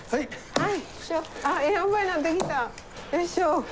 はい。